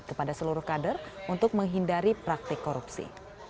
kepada seluruh kader untuk menghindari praktik korupsi